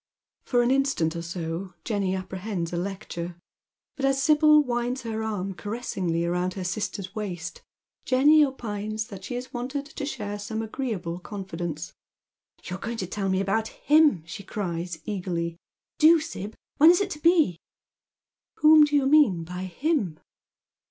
For an instant or so Jenny apprehends a lecture, but as Sibyl winds her arm caressingly round her sister's waist, Jenny opine« that she is wanted to share some agreeable confidence. " You are going to tell me about him," she cries eagerly. "Do, Sib. When is it to be ?"" Whom do you mean by him?